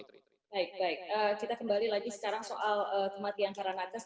baik baik kita kembali lagi sekarang soal kematian karang atas